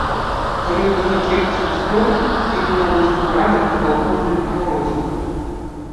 Калі ў мяне кепскі настрой, іду наводзіць парадак на балконным агародзіку.